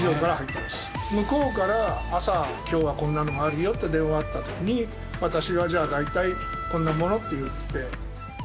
向こうから朝今日はこんなのがあるよって電話あった時に私がじゃあ大体こんなものって言って。